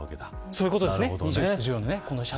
そういうことですか。